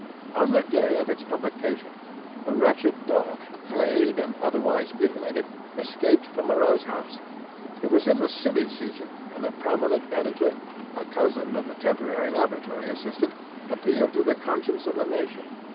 On the day of its publication a wretched dog, flayed and otherwise mutilated, escaped from Moreau's house. It was in the silly season, and a prominent editor, a cousin of the temporary laboratory assistant, appealed to the conscience of the nation.